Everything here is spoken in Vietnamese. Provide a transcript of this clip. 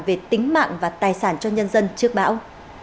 về tính mạng và tài sản cho nhân dân trước bão